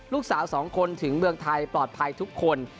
ลูกสาวสองคนถึงเมืองไทยปลอดภัยทุกคน